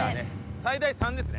最大「３」ですね。